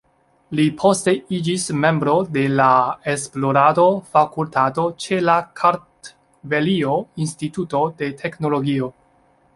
Li poste iĝis membro de la esplorado-fakultato ĉe la Kartvelio-Instituto de Teknologio.